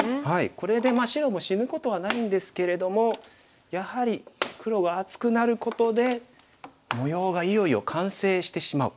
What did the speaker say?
これで白も死ぬことはないんですけれどもやはり黒は厚くなることで模様がいよいよ完成してしまう。